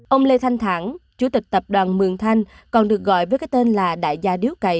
ông lê thanh thản chủ tịch tập đoàn mường thanh còn được gọi với cái tên là đại gia điếu cày